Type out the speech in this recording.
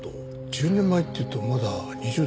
１０年前っていうとまだ２０代か。